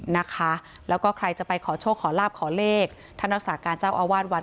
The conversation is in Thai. นะคะแล้วก็ใครจะไปขอโชคขอลาบขอเลขท่านรักษาการเจ้าอาวาสวัด